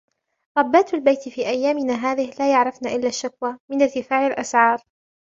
ربات البيت في أيامنا هذه لا يعرفن إلا الشكوى من ارتفاع الأسعار.